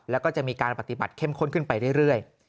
แล้วก็จะมีการปฏิบัติเข้มข้นขึ้นไปเรื่อย